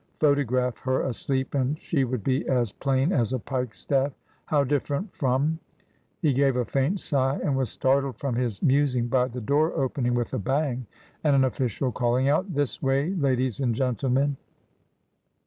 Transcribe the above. Photograph her asleep, and she would be as plain as a pike staff. How different from ' He gave a faint sigh, and was startled from his musing by the door opening with a bang and an ©facial calling out, ' This way, ladies and gentlemen.'